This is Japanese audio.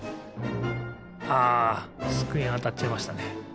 あつくえにあたっちゃいましたね。